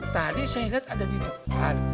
tadi saya ingat ada di depan